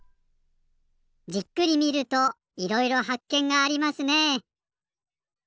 じっくり見るといろいろはっけんがありますね。